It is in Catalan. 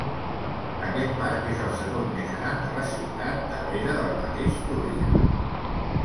Aquest parc és el segon més gran de la ciutat darrere del mateix Túria.